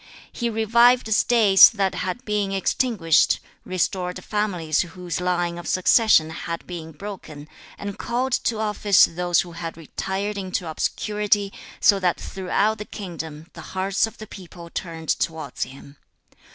7. He revived States that had been extinguished, restored families whose line of succession had been broken, and called to office those who had retired into obscurity, so that throughout the kingdom the hearts of the people turned towards him.